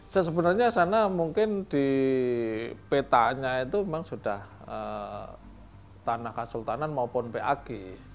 sebenarnya sana mungkin di petanya itu memang sudah tanah kasultanan maupun pag